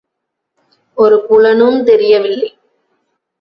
ஒரு புலனுந் தெரியவில்லை.